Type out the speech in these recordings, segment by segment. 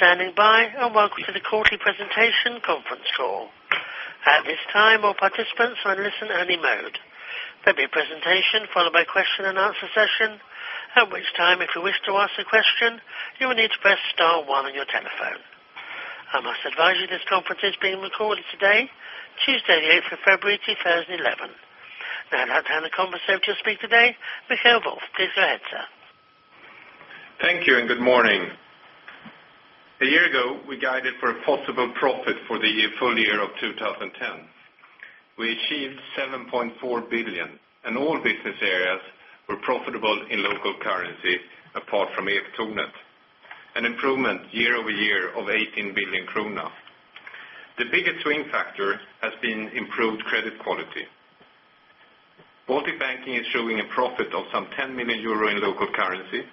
Thank you for standing by, and welcome to the quarterly presentation conference call. At this time, all participants are in listen-only mode. There'll be a presentation followed by question and answer session, at which time, if you wish to ask a question, you will need to press star one on your telephone. I must advise you this conference is being recorded today, Tuesday, February 8 2011. Now I'd like to hand the conversation to speak today, Michael Wolf. Please go ahead, sir. Thank you, and good morning. A year ago, we guided for a possible profit for the full year of 2010. We achieved 7.4 billion, and all business areas were profitable in local currency, apart from Ektornet, an improvement year-over-year of 18 billion kronor. The biggest swing factor has been improved credit quality. Baltic Banking is showing a profit of some 10 million euro in local currency.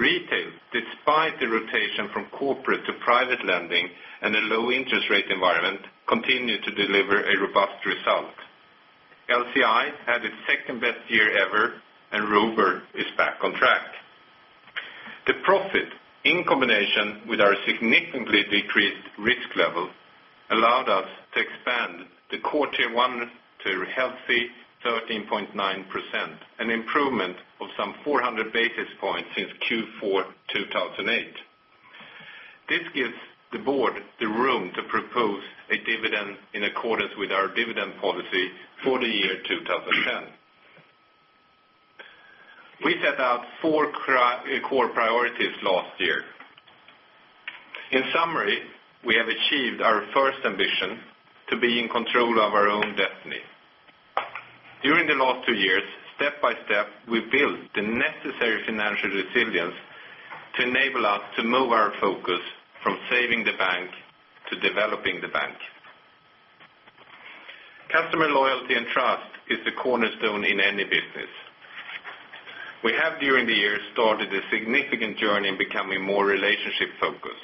Retail, despite the rotation from corporate to private lending and a low interest rate environment, continued to deliver a robust result. LCI had its second best year ever, and Robur is back on track. The profit, in combination with our significantly decreased risk level, allowed us to expand the Core Tier 1 to a healthy 13.9%, an improvement of some 400 basis points since Q4 2008. This gives the board the room to propose a dividend in accordance with our dividend policy for the year 2010. We set out four core priorities last year. In summary, we have achieved our first ambition to be in control of our own destiny. During the last two years, step by step, we built the necessary financial resilience to enable us to move our focus from saving the bank to developing the bank. Customer loyalty and trust is the cornerstone in any business. We have, during the year, started a significant journey in becoming more relationship focused.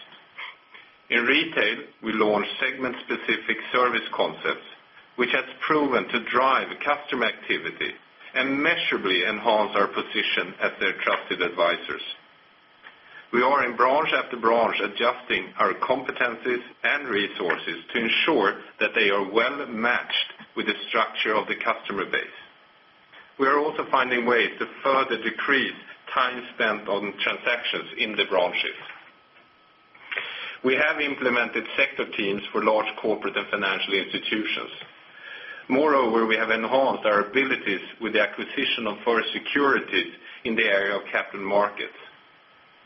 In retail, we launched segment-specific service concepts, which has proven to drive customer activity and measurably enhance our position as their trusted advisors. We are in branch after branch, adjusting our competencies and resources to ensure that they are well matched with the structure of the customer base. We are also finding ways to further decrease time spent on transactions in the branches. We have implemented sector teams for large corporate and financial institutions. Moreover, we have enhanced our abilities with the acquisition of Forest Securities in the area of capital markets,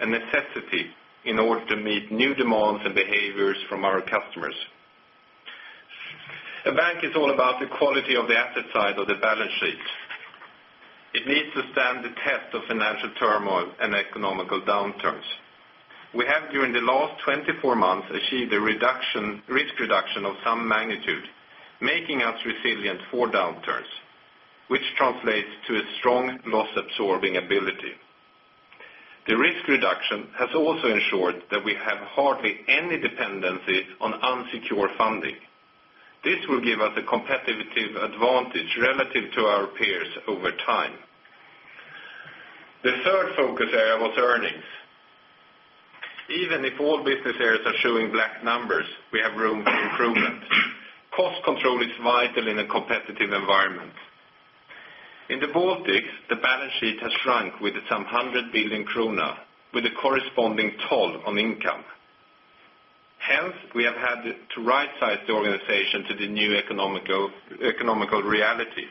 a necessity in order to meet new demands and behaviors from our customers. A bank is all about the quality of the asset side of the balance sheet. It needs to stand the test of financial turmoil and economic downturns. We have, during the last 24 months, achieved a reduction, risk reduction of some magnitude, making us resilient for downturns, which translates to a strong loss-absorbing ability. The risk reduction has also ensured that we have hardly any dependencies on unsecured funding. This will give us a competitive advantage relative to our peers over time. The third focus area was earnings. Even if all business areas are showing black numbers, we have room for improvement. Cost control is vital in a competitive environment. In the Baltics, the balance sheet has shrunk with some 100 billion kronor, with a corresponding toll on income. Hence, we have had to right-size the organization to the new economic reality.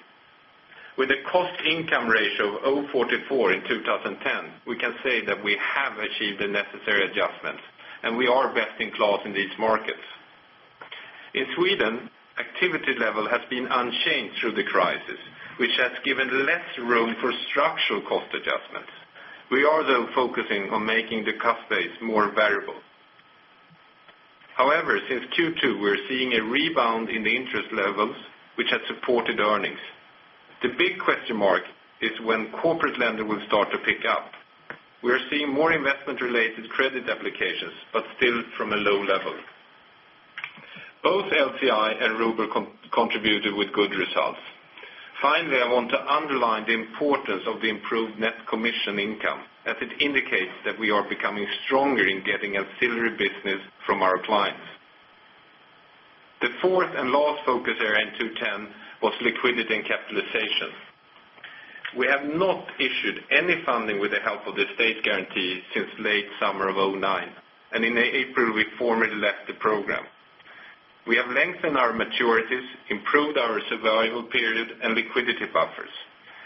With a cost/income ratio of 44% in 2010, we can say that we have achieved the necessary adjustments, and we are best in class in these markets. In Sweden, activity level has been unchanged through the crisis, which has given less room for structural cost adjustments. We are, though, focusing on making the cost base more variable. However, since Q2, we're seeing a rebound in the interest levels, which has supported earnings. The big question mark is when corporate lending will start to pick up. We are seeing more investment-related credit applications, but still from a low level. Both LCI and Robur contributed with good results. Finally, I want to underline the importance of the improved net commission income, as it indicates that we are becoming stronger in getting ancillary business from our clients. The fourth and last focus area in 2010 was liquidity and capitalization. We have not issued any funding with the help of the state guarantee since late summer of 2009, and in April, we formally left the program. We have lengthened our maturities, improved our survival period and liquidity buffers.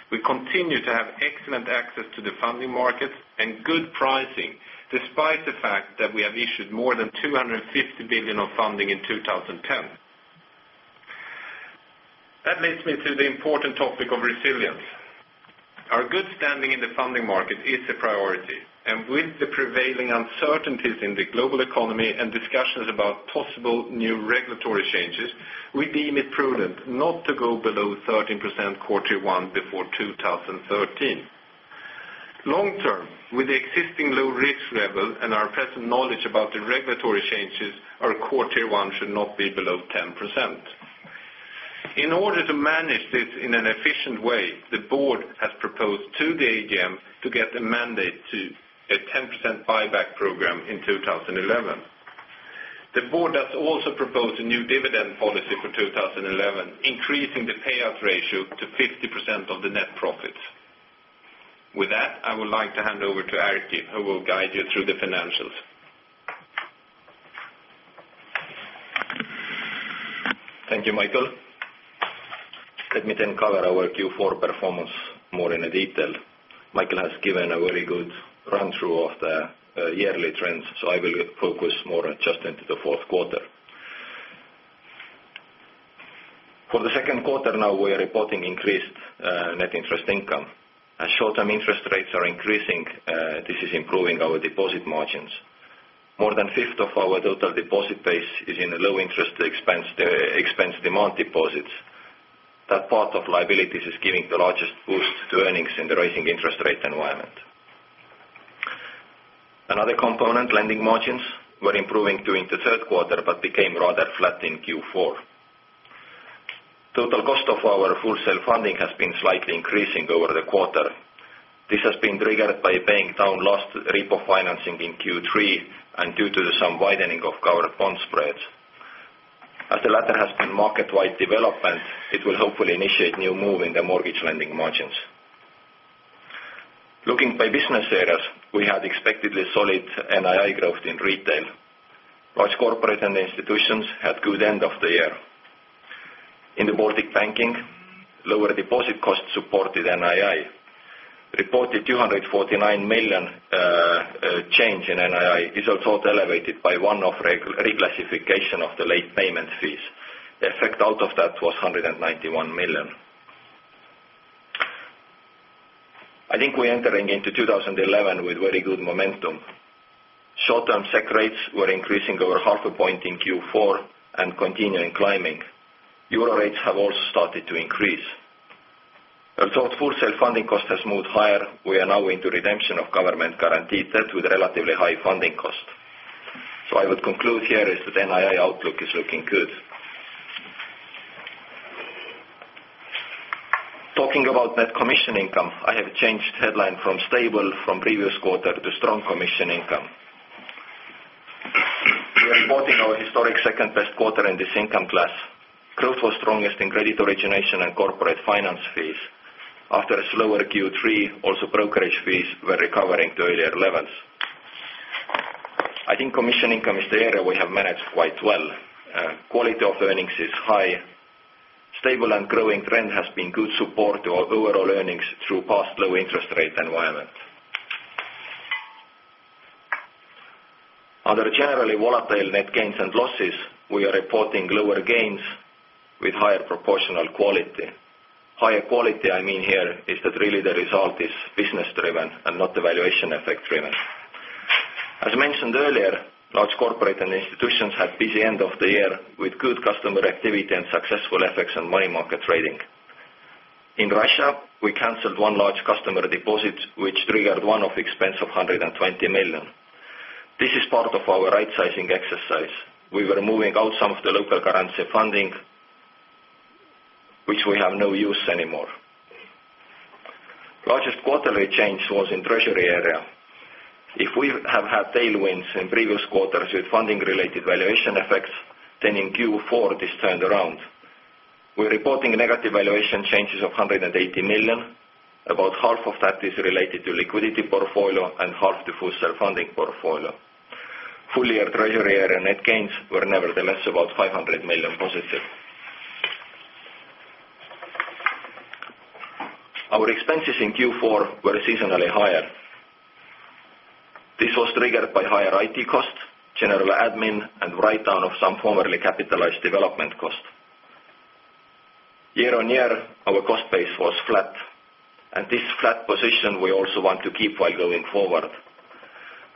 We continue to have excellent access to the funding markets and good pricing, despite the fact that we have issued more than 250 billion of funding in 2010. That leads me to the important topic of resilience. Our good standing in the funding market is a priority, and with the prevailing uncertainties in the global economy and discussions about possible new regulatory changes, we deem it prudent not to go below 13% Q1 before 2013. Long term, with the existing low risk level and our present knowledge about the regulatory changes, our Core Tier 1 should not be below 10%.... In order to manage this in an efficient way, the board has proposed to the AGM to get a mandate to a 10% buyback program in 2011. The board has also proposed a new dividend policy for 2011, increasing the payout ratio to 50% of the net profits. With that, I would like to hand over to Erkki, who will guide you through the financials. Thank you, Michael. Let me then cover our Q4 performance more in detail. Michael has given a very good run through of the yearly trends, so I will focus more just into the fourth quarter. For the second quarter, now we are reporting increased net interest income. As short-term interest rates are increasing, this is improving our deposit margins. More than one-fifth of our total deposit base is in a low interest expense, expense demand deposits. That part of liabilities is giving the largest boost to earnings in the rising interest rate environment. Another component, lending margins, were improving during the third quarter but became rather flat in Q4. Total cost of our wholesale funding has been slightly increasing over the quarter. This has been triggered by paying down last repo financing in Q3 and due to some widening of our bond spreads. As the latter has been market-wide development, it will hopefully initiate new move in the mortgage lending margins. Looking by business areas, we had expectedly solid NII growth in retail. Large corporate and institutions had good end of the year. In the Baltic banking, lower deposit costs supported NII. Reported 249 million change in NII is also elevated by one of reclassification of the late payment fees. The effect out of that was 191 million. I think we're entering into 2011 with very good momentum. Short-term SEK rates were increasing over half a point in Q4 and continuing climbing. Euro rates have also started to increase. Although full self-funding cost has moved higher, we are now into redemption of government guaranteed debt with relatively high funding cost. So I would conclude here is that NII outlook is looking good. Talking about net commission income, I have changed headline from stable from previous quarter to strong commission income. We are reporting our historic second best quarter in this income class. Growth was strongest in credit origination and corporate finance fees. After a slower Q3, also brokerage fees were recovering to earlier levels. I think commission income is the area we have managed quite well. Quality of earnings is high. Stable and growing trend has been good support to our overall earnings through past low interest rate environment. Under generally volatile net gains and losses, we are reporting lower gains with higher proportional quality. Higher quality, I mean, here, is that really the result is business driven and not the valuation effect driven. As mentioned earlier, Large Corporates and Institutions had busy end of the year with good customer activity and successful effects on money market trading. In Russia, we canceled one large customer deposit, which triggered one-off expense of 120 million. This is part of our right-sizing exercise. We were moving out some of the local currency funding, which we have no use anymore. Largest quarterly change was in treasury area. If we have had tailwinds in previous quarters with funding-related valuation effects, then in Q4, this turned around. We're reporting negative valuation changes of 180 million. About half of that is related to liquidity portfolio and half to full self-funding portfolio. Full year treasury area net gains were nevertheless about 500 million positive. Our expenses in Q4 were seasonally higher. This was triggered by higher IT costs, general admin, and write-down of some formerly capitalized development costs. Year-on-year, our cost base was flat, and this flat position we also want to keep while going forward.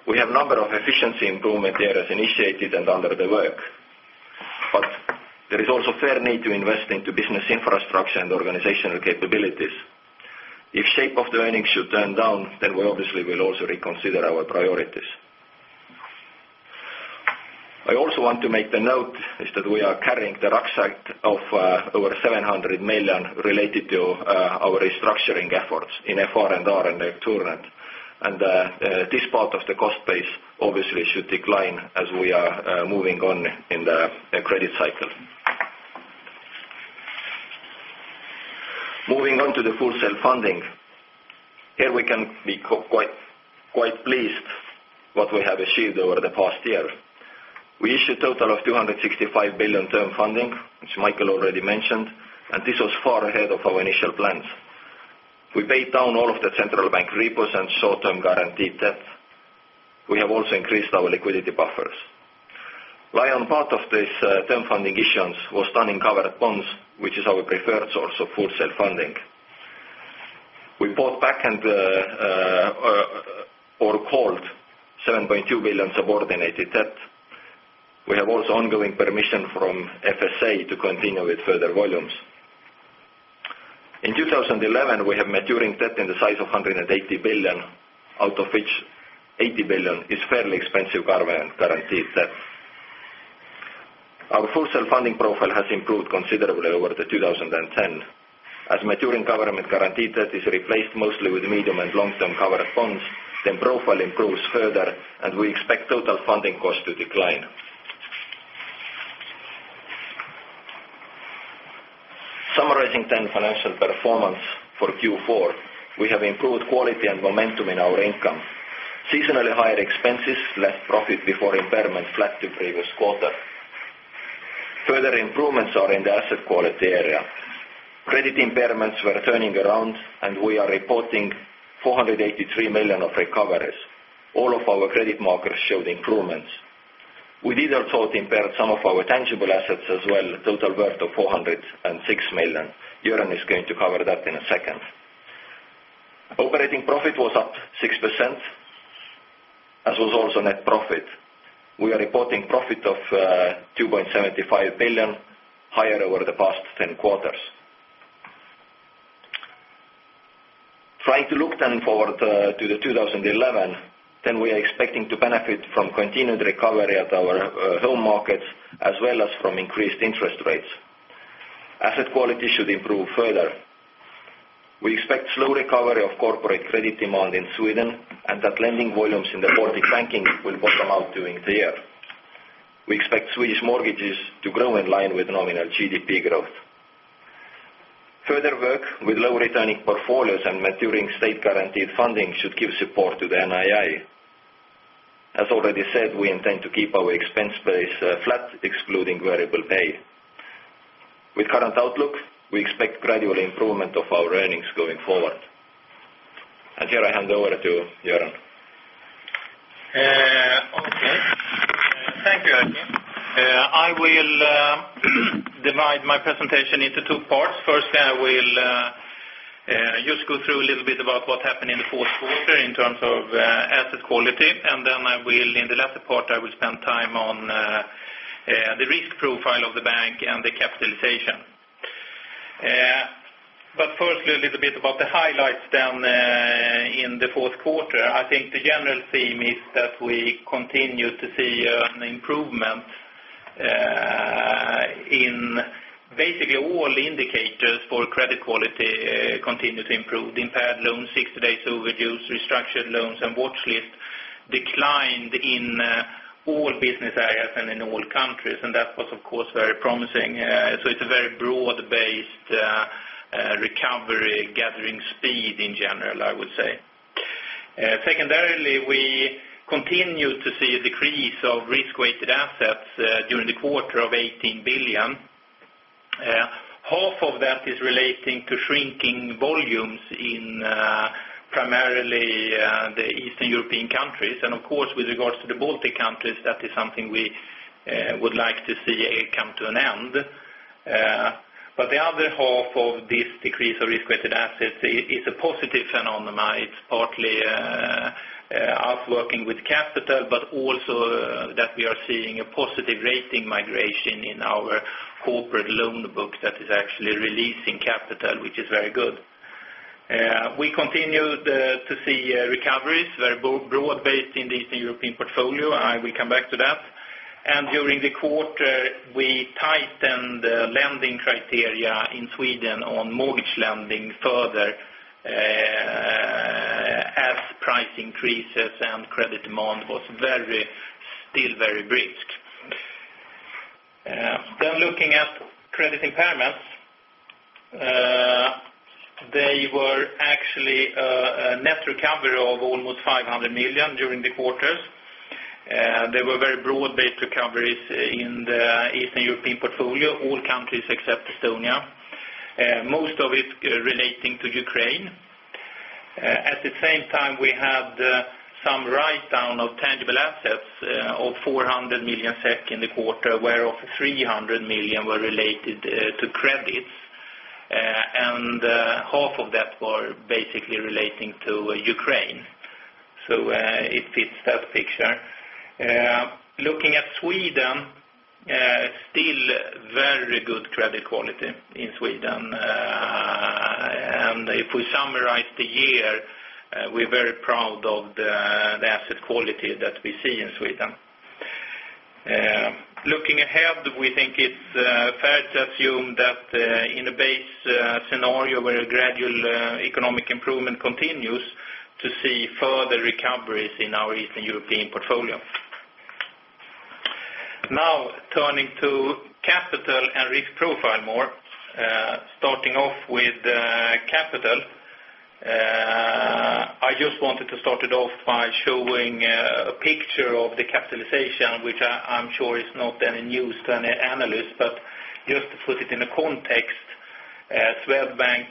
We have a number of efficiency improvement areas initiated and under the work, but there is also fair need to invest into business infrastructure and organizational capabilities. If shape of the earnings should turn down, then we obviously will also reconsider our priorities. I also want to make the note is that we are carrying the rucksack of, over 700 million related to, our restructuring efforts in FR&R and Acturant. And, this part of the cost base obviously should decline as we are, moving on in the, credit cycle. Moving on to the full self-funding, here we can be quite, quite pleased what we have achieved over the past year. We issued a total of 265 billion term funding, which Michael already mentioned, and this was far ahead of our initial plans. We paid down all of the central bank repos and short-term guaranteed debt. We have also increased our liquidity buffers. Lion's share of this term funding issuance was done in covered bonds, which is our preferred source of wholesale funding. We bought back and, or called 7.2 billion subordinated debt. We have also ongoing permission from FSA to continue with further volumes. In 2011, we have maturing debt in the size of 180 billion, out of which 80 billion is fairly expensive government guaranteed debt. Our wholesale funding profile has improved considerably over the 2010. As maturing government guaranteed debt is replaced mostly with medium and long-term covered bonds, then profile improves further, and we expect total funding costs to decline. Summarizing then financial performance for Q4, we have improved quality and momentum in our income. Seasonally higher expenses left profit before impairment flat to previous quarter. Further improvements are in the asset quality area. Credit impairments were turning around, and we are reporting 483 million of recoveries. All of our credit markers showed improvements. We did also impair some of our tangible assets as well, a total worth of 406 million. Göran is going to cover that in a second. Operating profit was up 6%, as was also net profit. We are reporting profit of 2.75 billion, higher over the past 10 quarters. Trying to look then forward to 2011, then we are expecting to benefit from continued recovery at our home markets, as well as from increased interest rates. Asset quality should improve further. We expect slow recovery of corporate credit demand in Sweden, and that lending volumes in the Baltic banking will bottom out during the year. We expect Swedish mortgages to grow in line with nominal GDP growth. Further work with low returning portfolios and maturing state guaranteed funding should give support to the NII. As already said, we intend to keep our expense base flat, excluding variable pay. With current outlook, we expect gradual improvement of our earnings going forward. Here I hand over to Göran. Okay. Thank you, Erkki. I will divide my presentation into two parts. Firstly, I will just go through a little bit about what happened in the fourth quarter in terms of asset quality, and then I will, in the latter part, I will spend time on the risk profile of the bank and the capitalization. But firstly, a little bit about the highlights, then in the fourth quarter. I think the general theme is that we continue to see an improvement in basically all indicators for credit quality, continue to improve. Impaired loans, 60-days overdue, restructured loans and watchlist declined in all business areas and in all countries, and that was, of course, very promising. So it's a very broad-based recovery gathering speed in general, I would say. Secondarily, we continue to see a decrease of risk-weighted assets during the quarter of 18 billion. Half of that is relating to shrinking volumes in, primarily, the Eastern European countries. And, of course, with regards to the Baltic countries, that is something we would like to see come to an end. But the other half of this decrease of risk-weighted assets is a positive phenomenon. It's partly us working with capital, but also that we are seeing a positive rating migration in our corporate loan book that is actually releasing capital, which is very good. We continued to see recoveries, very broad-based in the Eastern European portfolio. I will come back to that. During the quarter, we tightened the lending criteria in Sweden on mortgage lending further, as price increases and credit demand was very, still very brisk. Then looking at credit impairments, they were actually a net recovery of almost 500 million during the quarter. There were very broad-based recoveries in the Eastern European portfolio, all countries except Estonia, most of it relating to Ukraine. At the same time, we had some write-down of tangible assets of 400 million SEK in the quarter, whereof 300 million were related to credits, and half of that were basically relating to Ukraine. So, it fits that picture. Looking at Sweden, still very good credit quality in Sweden. And if we summarize the year, we're very proud of the, the asset quality that we see in Sweden. Looking ahead, we think it's fair to assume that in a base scenario where a gradual economic improvement continues to see further recoveries in our Eastern European portfolio. Now, turning to capital and risk profile more, starting off with capital. I just wanted to start it off by showing a picture of the capitalization, which I'm sure is not any news to any analyst, but just to put it in a context, Swedbank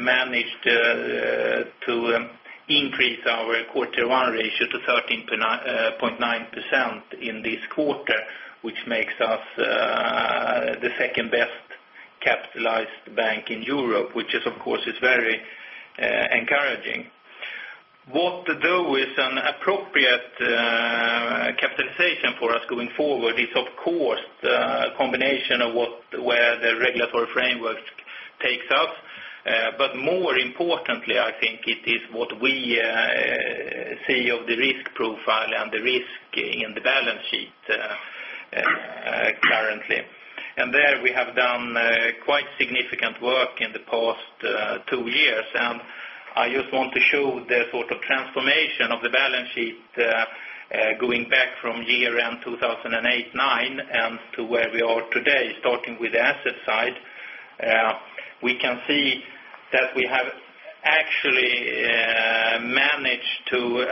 managed to increase our Core Teir 1 ratio to 13.9% in this quarter, which makes us the second best capitalized bank in Europe, which is, of course, very encouraging. What to do with an appropriate capitalization for us going forward is, of course, a combination of what, where the regulatory framework takes us. But more importantly, I think it is what we see of the risk profile and the risk in the balance sheet, currently. And there, we have done quite significant work in the past two years. And I just want to show the sort of transformation of the balance sheet, going back from year-end 2008, 2009, and to where we are today, starting with the asset side. We can see that we have actually managed to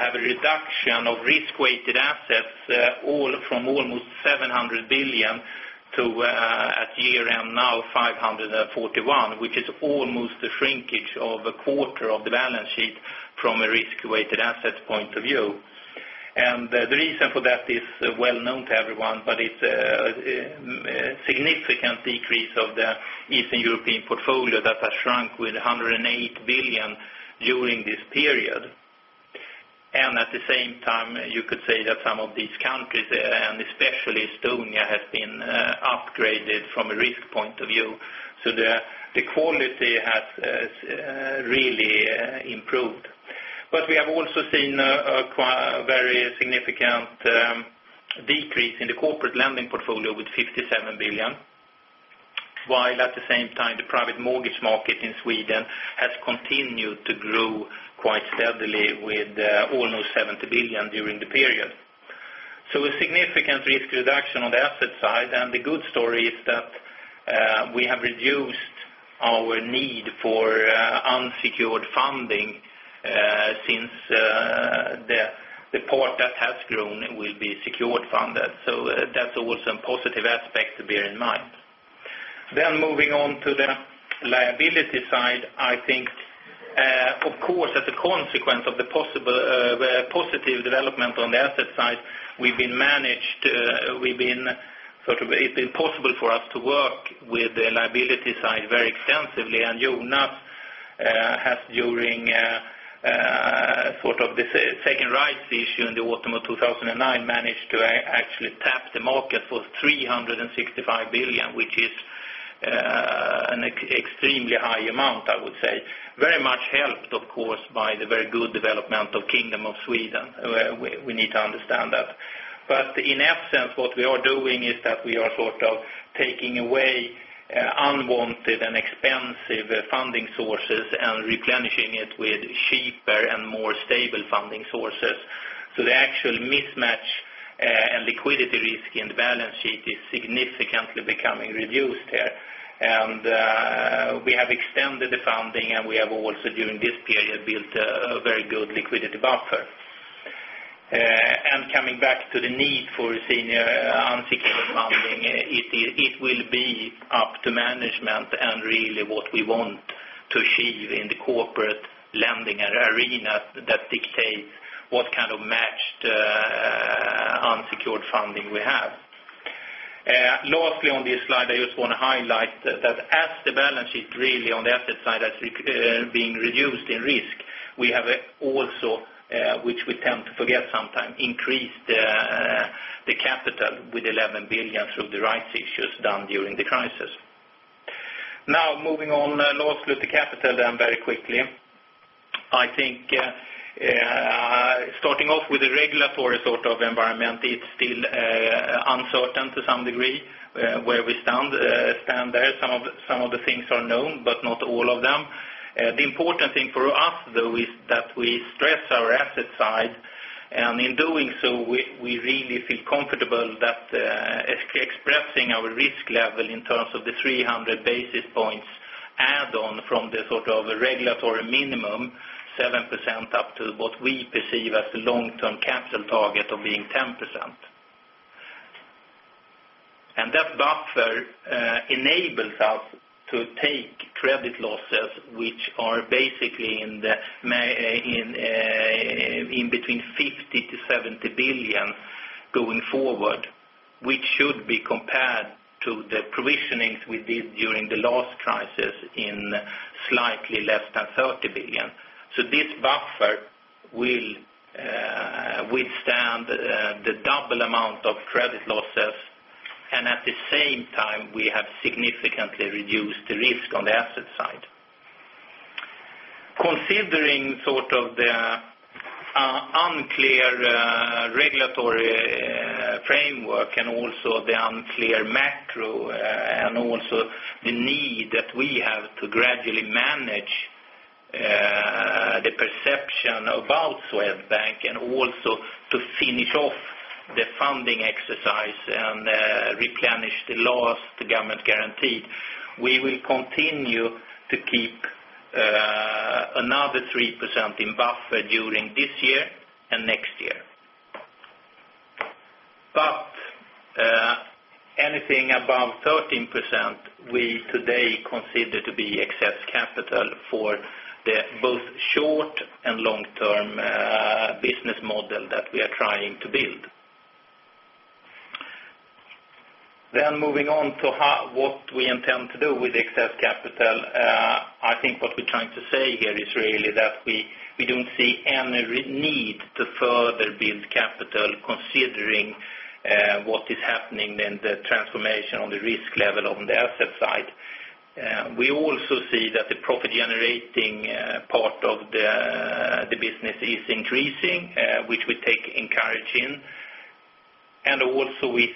have a reduction of risk-weighted assets, all from almost 700 billion to, at year-end, now 541 billion, which is almost a shrinkage of a quarter of the balance sheet from a risk-weighted asset point of view. And the reason for that is well known to everyone, but it's a significant decrease of the Eastern European portfolio that has shrunk with 108 billion during this period. And at the same time, you could say that some of these countries, and especially Estonia, have been upgraded from a risk point of view. So the quality has really improved. But we have also seen a quite very significant decrease in the corporate lending portfolio with 57 billion, while at the same time, the private mortgage market in Sweden has continued to grow quite steadily with almost 70 billion during the period. So a significant risk reduction on the asset side, and the good story is that we have reduced our need for unsecured funding since the part that has grown will be secured funded. So that's also a positive aspect to bear in mind. Then moving on to the liability side, I think of course, as a consequence of the possible positive development on the asset side, we've been managed, we've been sort of- it's been possible for us to work with the liability side very extensively. Jonas has during sort of the second rights issue in the autumn of 2009, managed to actually tap the market for 365 billion, which is an extremely high amount, I would say. Very much helped, of course, by the very good development of the Kingdom of Sweden. We need to understand that. But in essence, what we are doing is that we are sort of taking away unwanted and expensive funding sources and replenishing it with cheaper and more stable funding sources. So the actual mismatch and liquidity risk in the balance sheet is significantly becoming reduced here. We have extended the funding, and we have also, during this period, built a very good liquidity buffer. And coming back to the need for senior unsecured funding, it will be up to management and really what we want to achieve in the corporate lending arena that dictates what kind of matched unsecured funding we have. Lastly, on this slide, I just want to highlight that as the balance is really on the asset side, as it being reduced in risk, we have also, which we tend to forget sometimes, increased the capital with 11 billion through the rights issues done during the crisis. Now, moving on lastly to capital, then very quickly. I think starting off with the regulatory sort of environment, it's still uncertain to some degree where we stand there. Some of the things are known, but not all of them. The important thing for us, though, is that we stress our asset side, and in doing so, we, we really feel comfortable that, expressing our risk level in terms of the 300 basis points add on from the sort of regulatory minimum, 7%, up to what we perceive as the long-term capital target of being 10%. And that buffer enables us to take credit losses, which are basically in between 50 billion to 70 billion going forward, which should be compared to the provisionings we did during the last crisis in slightly less than 30 billion. So this buffer will withstand the double amount of credit losses, and at the same time, we have significantly reduced the risk on the asset side. Considering sort of the unclear regulatory framework and also the unclear macro, and also the need that we have to gradually manage the perception about Swedbank, and also to finish off the funding exercise and replenish the loans, the government guaranteed, we will continue to keep another 3% in buffer during this year and next year. But anything above 13%, we today consider to be excess capital for both the short- and long-term business model that we are trying to build. Then moving on to how, what we intend to do with the excess capital. I think what we're trying to say here is really that we don't see any need to further build capital, considering what is happening in the transformation on the risk level on the asset side. We also see that the profit generating part of the business is increasing, which we take encouraging. And also we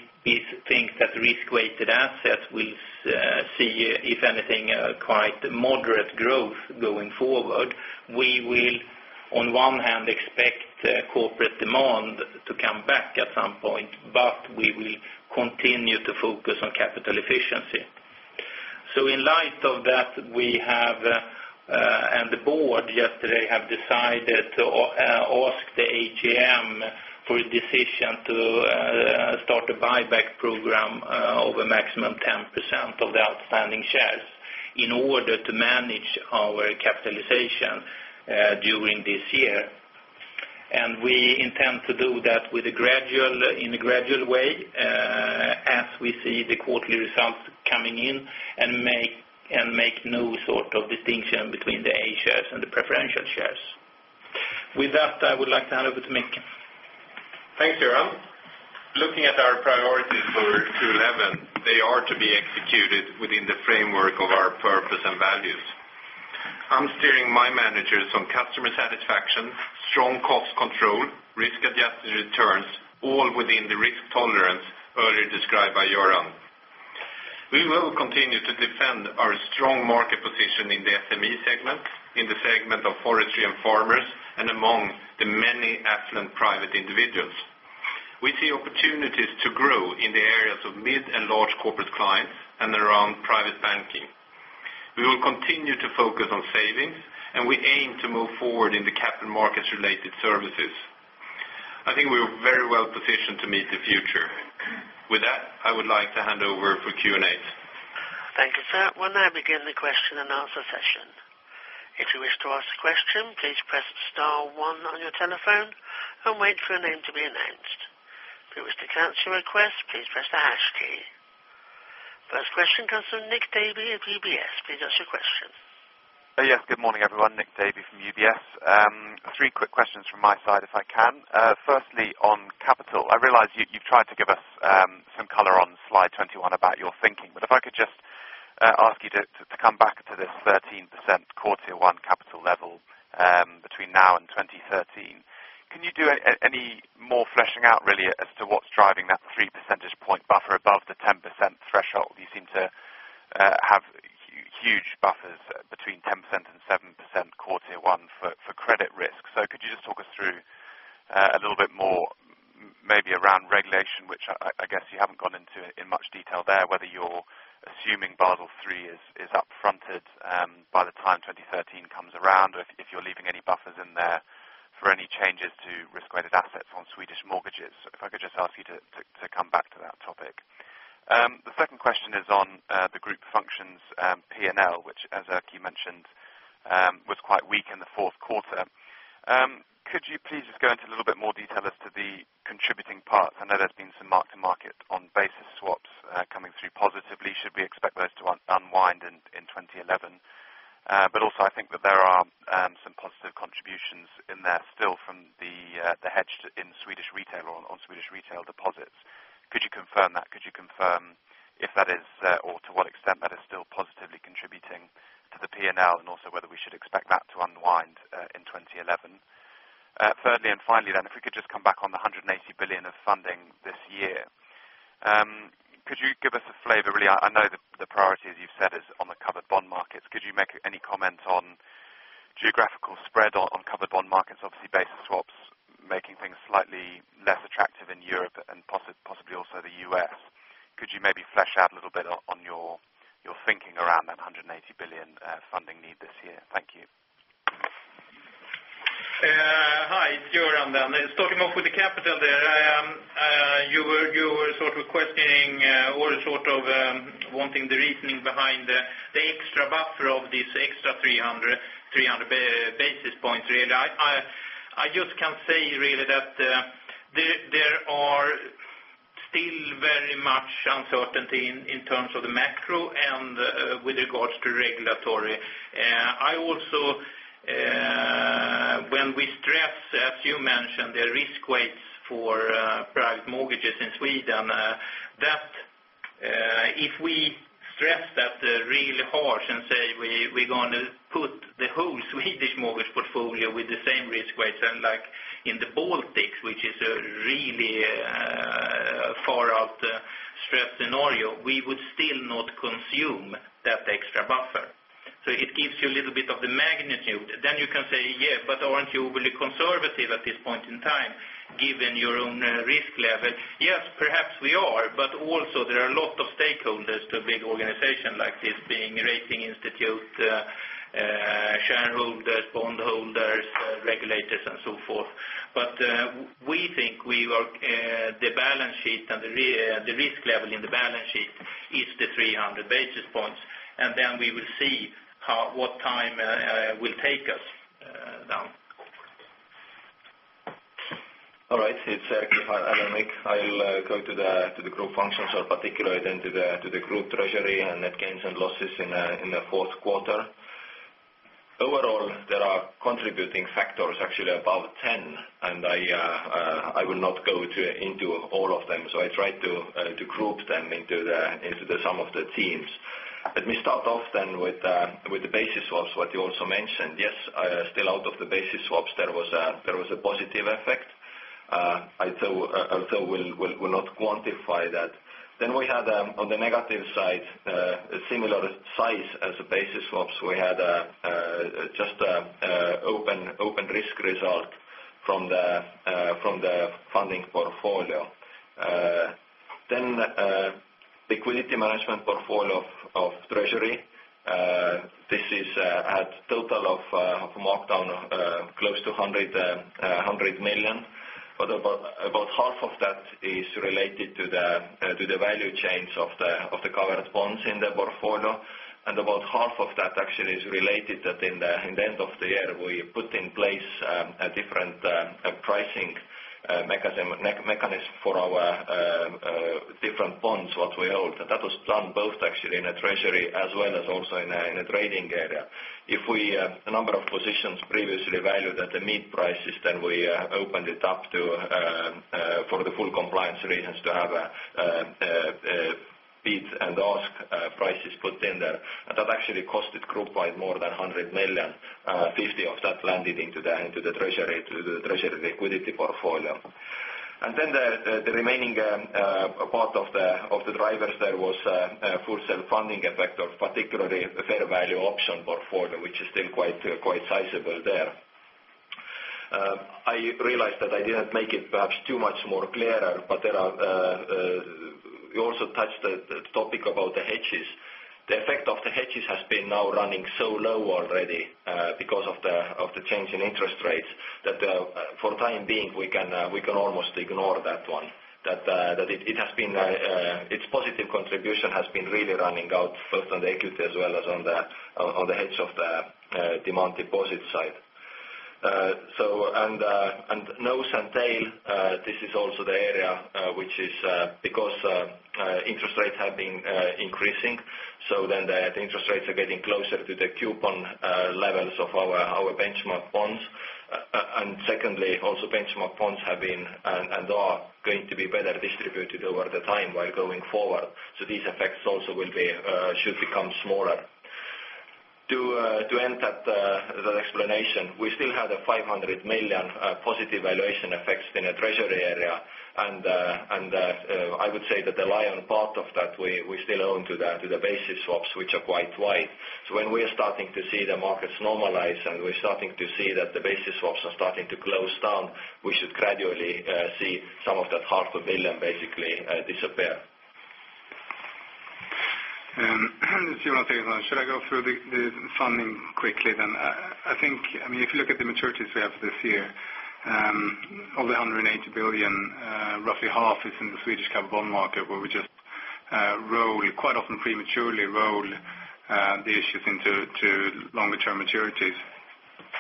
think that risk-weighted assets will see, if anything, quite moderate growth going forward. We will, on one hand, expect corporate demand to come back at some point, but we will continue to focus on capital efficiency. So in light of that, we have, and the board yesterday have decided to ask the AGM for a decision to start a buyback program of a maximum 10% of the outstanding shares in order to manage our capitalization during this year. And we intend to do that in a gradual way as we see the quarterly results coming in, and make no sort of distinction between the A shares and the preferential shares. With that, I would like to hand over to Michaele. Thanks, Göran. Looking at our priorities for 2011, they are to be executed within the framework of our purpose and values. I'm steering my managers on customer satisfaction, strong cost control, risk-adjusted returns, all within the risk tolerance earlier described by Göran. We will continue to defend our strong market position in the SME segment, in the segment of forestry and farmers, and among the many affluent private individuals. We see opportunities to grow in the areas of mid and large corporate clients, and around private banking. We will continue to focus on savings, and we aim to move forward in the capital markets-related services. I think we are very well positioned to meet the future. With that, I would like to hand over for Q&A. Thank you, sir. We'll now begin the question and answer session. If you wish to ask a question, please press star one on your telephone and wait for your name to be announced. If you wish to cancel your request, please press the hash key. First question comes from Nick Davey at UBS. Please ask your question. Yes, good morning, everyone. Nick Davey from UBS. Three quick questions from my side, if I can. Firstly, on capital, I realize you, you've tried to give us some color on slide 21 about your thinking, but if I could just ask you to come back to this 13% Core Tier 1 capital level, between now and 2013. Can you do any more fleshing out, really, as to what's driving that three percentage point buffer above the 10% threshold? You seem to have huge buffers between 10% and 7% Core Tier 1 for credit risk. So could you just talk us through a little bit more, maybe around regulation, which I guess you haven't gone into in much detail there, whether you're assuming Basel III is up-fronted by the time 2013 comes around, or if you're leaving any buffers in there for any changes to risk-weighted assets on Swedish mortgages. If I could just ask you to come back to that topic. The second question is on the group functions P&L, which, as you mentioned, was quite weak in the fourth quarter. Could you please just go into a little bit more detail as to the contributing parts? I know there's been some mark-to-market on basis swaps coming through positively. Should we expect those to unwind in 2011? But also I think that there are some positive contributions in there still from the hedge in Swedish retail or on Swedish retail deposits. Could you confirm that? Could you confirm if that is or to what extent that is still positively contributing to the P&L, and also whether we should expect that to unwind in 2011? Thirdly and finally, then, if we could just come back on the 180 billion of funding this year. Could you give us a flavor, really. I know the priority, as you've said, is on the covered bond markets. Could you make any comment on geographical spread on covered bond markets? Obviously, basis swaps making things slightly less attractive in Europe and possibly also the U.S. Could you maybe flesh out a little bit on your thinking around that 180 billion funding need this year? Thank you. Hi, Göran Bronner. Talking about with the capital there, you were sort of questioning or sort of wanting the reasoning behind the extra buffer of this extra 300 basis points, really. I just can say, really, that there are still very much uncertainty in terms of the macro and with regards to regulatory. I also, when we stress, as you mentioned, the risk weights for private mortgages in Sweden, that if we stress that really harsh and say, we're going to put the whole Swedish mortgage portfolio with the same risk weights and like in the Baltics, which is a really far out stress scenario, we would still not consume that extra buffer. So it gives you a little bit of the magnitude. Then you can say, "Yeah, but aren't you really conservative at this point in time, given your own risk level?" Yes, perhaps we are, but also there are a lot of stakeholders to a big organization like this, being rating institute, shareholders, bondholders, regulators, and so forth. But we think we work the balance sheet and the risk level in the balance sheet is the 300 basis points, and then we will see how what time will take us.... All right, it's Erkki. Hi, Nick Davey. I'll go to the Group Functions in particular then to the group treasury and net gains and losses in the fourth quarter. Overall, there are contributing factors, actually about 10, and I will not go into all of them. So I try to group them into some of the themes. Let me start off then with the basis swaps, what you also mentioned. Yes, still out of the basis swaps, there was a positive effect. I thought, I also will not quantify that. Then we had on the negative side a similar size as the basis swaps. We had just an open risk result from the funding portfolio. Then, liquidity management portfolio of treasury, this is, at total of, mark-down, close to 100 million. But about, about half of that is related to the, to the value chains of the, of the covered bonds in the portfolio. And about half of that actually is related that in the, in the end of the year, we put in place, a different, pricing, mechanism, mechanism for our, different bonds, what we hold. That was done both actually in a treasury as well as also in a, in a trading area. If we, a number of positions previously valued at the mid-prices, then we, opened it up to, for the full compliance reasons to have, bid and ask, prices put in there. That actually cost the group more than 100 million, 50 of that landed into the treasury liquidity portfolio. Then the remaining part of the drivers, there was a full self-funding effect of particularly the fair value option portfolio, which is still quite sizable there. I realized that I didn't make it perhaps too much more clearer, but we also touched the topic about the hedges. The effect of the hedges has been now running so low already because of the change in interest rates, that for the time being, we can almost ignore that one. That, it has been, its positive contribution has been really running out, both on the equity as well as on the hedge of the demand deposit side. Nose and tail, this is also the area which is, because interest rates have been increasing, then the interest rates are getting closer to the coupon levels of our benchmark bonds. Secondly, also benchmark bonds have been and are going to be better distributed over the time while going forward. These effects also will be, should become smaller. To end that explanation, we still had a 500 million positive valuation effects in the treasury area. I would say that the lion part of that we still own to the basis swaps, which are quite wide. So when we are starting to see the markets normalize, and we're starting to see that the basis swaps are starting to close down, we should gradually see some of that SEK 500 million basically disappear. Should I go through the funding quickly then? I think, I mean, if you look at the maturities we have this year, of the 180 billion, roughly half is in the Swedish covered bond market, where we just roll, quite often prematurely roll, the issues into longer term maturities.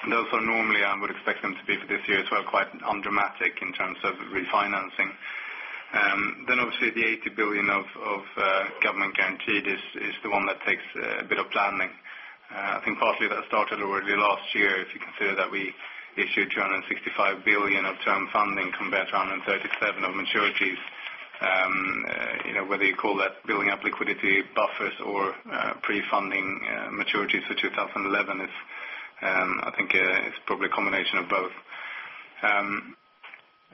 I would expect them to be for this year as well, quite undramatic in terms of refinancing. Obviously, the 80 billion of government guaranteed is the one that takes a bit of planning. I think partly that started already last year, if you consider that we issued 265 billion of term funding compared to 137 billion of maturities. You know, whether you call that building up liquidity buffers or pre-funding maturities for 2011, it's, I think, it's probably a combination of both.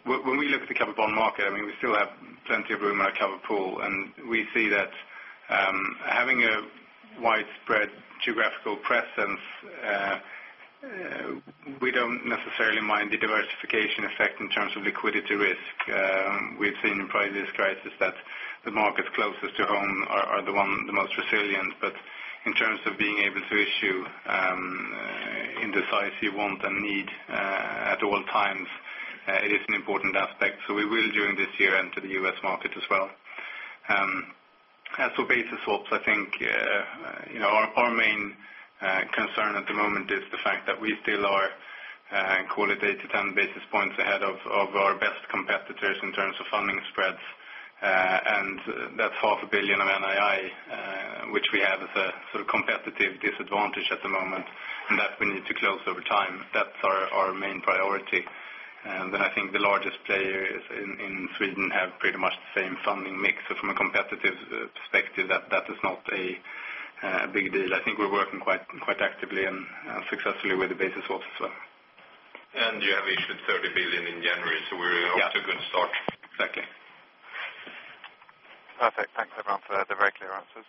When we look at the covered bond market, I mean, we still have plenty of room in our covered pool, and we see that having a widespread geographical presence, we don't necessarily mind the diversification effect in terms of liquidity risk. We've seen in previous crisis that the markets closest to home are the ones, the most resilient. But in terms of being able to issue in the size you want and need at all times, it is an important aspect. So we will, during this year, enter the U.S. market as well. As for basis swaps, I think, you know, our main concern at the moment is the fact that we still are quality 10 basis points ahead of our best competitors in terms of funding spreads. And that's 500 million of NII, which we have as a sort of competitive disadvantage at the moment, and that we need to close over time. That's our main priority. And then I think the largest players in Sweden have pretty much the same funding mix. So from a competitive perspective, that is not a big deal. I think we're working quite actively and successfully with the basis swaps as well. You have issued 30 billion in January, so we're off to a good start. Exactly. Perfect. Thanks, everyone, for the very clear answers.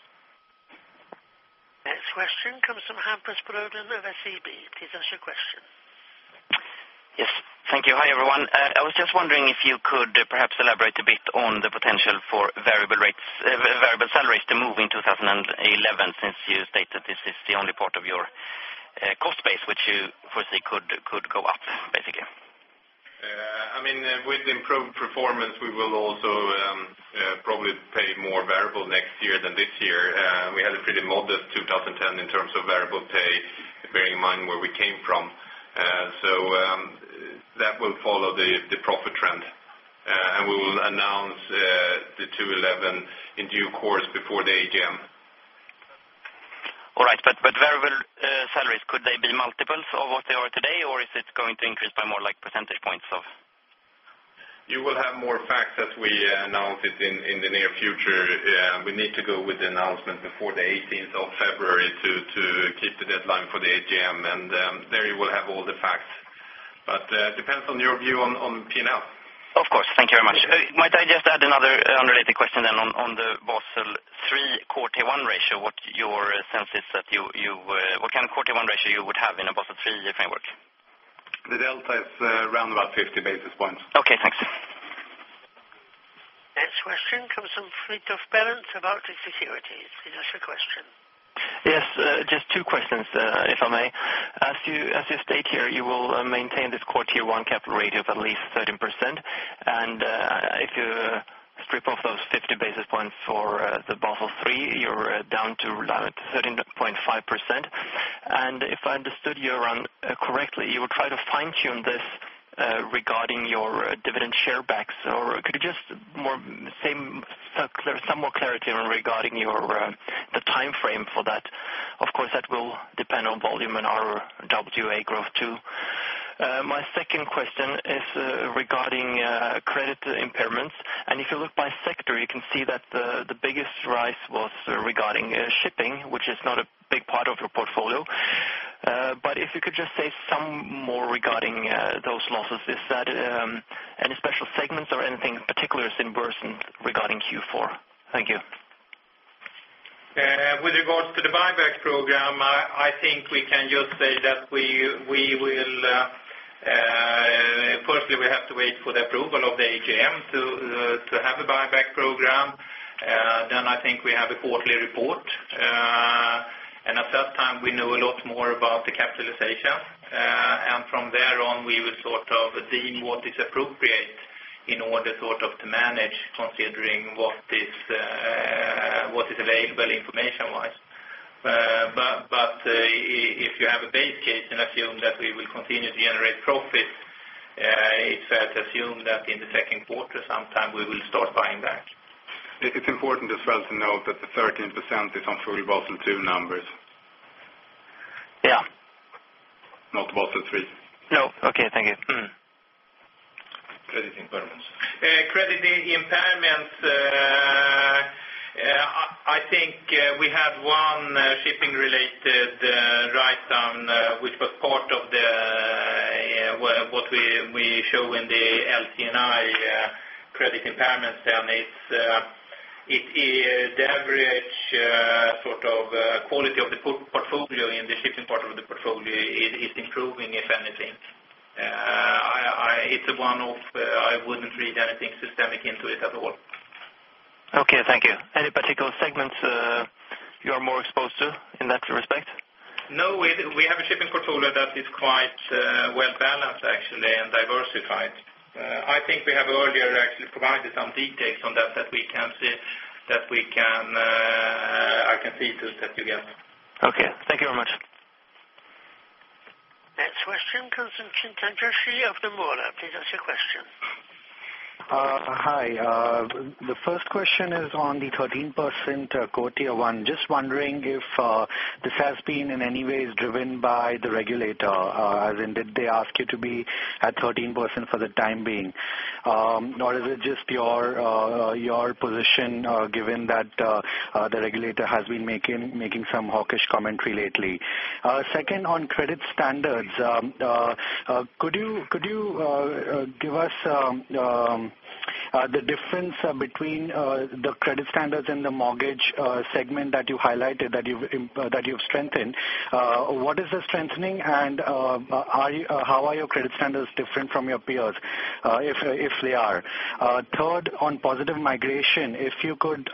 Next question comes from Hampus Broden of SEB. Please ask your question. Yes. Thank you. Hi, everyone. I was just wondering if you could perhaps elaborate a bit on the potential for variable rates, variable salaries to move in 2011, since you stated this is the only part of your cost base, which you foresee could go up, basically. I mean, with improved performance, we will also probably pay more variable next year than this year. We had a pretty modest 2010 in terms of variable pay.... bearing in mind where we came from. So, that will follow the profit trend, and we will announce the 2011 in due course before the AGM. All right, but, but variable salaries, could they be multiples of what they are today, or is it going to increase by more like percentage points of? You will have more facts as we announce it in the near future. We need to go with the announcement before the eighteenth of February to keep the deadline for the AGM, and there you will have all the facts. But, depends on your view on P&L. Of course. Thank you very much. Might I just add another unrelated question then on the Basel III Core Tier 1 ratio, what your sense is that you what kind of Core Tier 1 ratio you would have in a Basel III framework? The delta is, around about 50 basis points. Okay, thanks. Next question comes from Fritjof Bernt of Pareto Securities. Please ask your question. Yes, just two questions, if I may. As you state here, you will maintain this Core Tier 1 capital ratio of at least 13%. And, if you strip off those 50 basis points for the Basel III, you're down to around 13.5%. And if I understood you, Göran, correctly, you will try to fine-tune this, regarding your dividend share buybacks. Or could you just say some more, some more clarity on regarding your, the time frame for that? Of course, that will depend on volume and RWA growth, too. My second question is, regarding credit impairments. And if you look by sector, you can see that the biggest rise was regarding shipping, which is not a big part of your portfolio. But if you could just say some more regarding those losses. Is that any special segments or anything particular in Göran regarding Q4? Thank you. With regards to the buyback program, I think we can just say that we will firstly, we have to wait for the approval of the AGM to have a buyback program. Then I think we have a quarterly report, and at that time, we know a lot more about the capitalization. And from there on, we will sort of deem what is appropriate in order sort of to manage, considering what is available information wise. But if you have a base case and assume that we will continue to generate profits, it's assumed that in the second quarter, sometime we will start buying back. It's important as well to note that the 13% is on full Basel II numbers. Yeah. Not Basel III. No. Okay, thank you. Mm-hmm. Credit impairments. Credit impairments, I think we had one shipping-related write-down, which was part of what we show in the LTNI credit impairments. Then it is the average sort of quality of the portfolio in the shipping part of the portfolio is improving, if anything. It's a one-off. I wouldn't read anything systemic into it at all. Okay, thank you. Any particular segments, you are more exposed to in that respect? No, we have a shipping portfolio that is quite well-balanced actually, and diversified. I think we have earlier actually provided some details on that, that we can, I can see to that you get. Okay, thank you very much. Next question comes in Chintan Joshi of Nomura. Please ask your question. Hi. The first question is on the 13%, Core Tier 1. Just wondering if this has been in any way driven by the regulator? As in, did they ask you to be at 13% for the time being, or is it just your position, given that the regulator has been making some hawkish commentary lately? Second, on credit standards, could you give us the difference between the credit standards in the mortgage segment that you highlighted, that you've strengthened? What is the strengthening, and how are your credit standards different from your peers, if they are? Third, on positive migration, if you could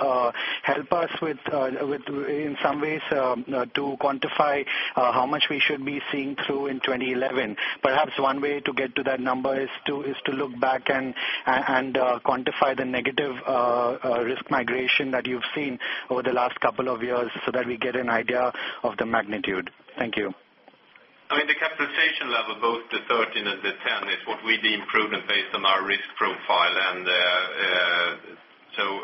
help us with, in some ways, to quantify how much we should be seeing through in 2011. Perhaps one way to get to that number is to look back and quantify the negative risk migration that you've seen over the last couple of years, so that we get an idea of the magnitude. Thank you. I mean, the capitalization level, both the 13 and the 10, is what we deem prudent based on our risk profile. And, so